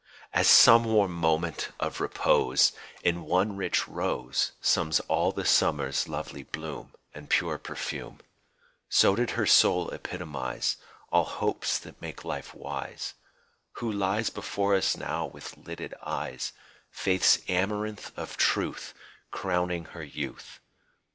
As some warm moment of repose In one rich rose Sums all the summer's lovely bloom And pure perfume So did her soul epitomize All hopes that make life wise, Who lies before us now with lidded eyes, Faith's amaranth of truth Crowning her youth.